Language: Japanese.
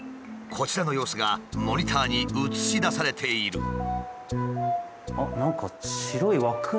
こちらの様子がモニターに映し出されている。